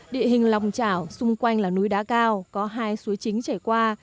địa hình lòng trảo xung quanh là núi đá cao có hai suối chính trải qua